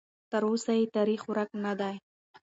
تراوسه یې تاریخ ورک نه دی.